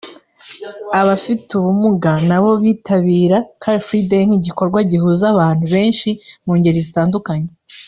Abafite ubumuga nabo bitabira Car Free Day nk'igikorwa gihuza abantu benshi mu ngeri zitandukanye